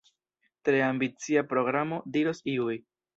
Tre ambicia programo, diros iuj.